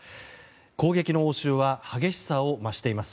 攻撃の応酬は激しさを増しています。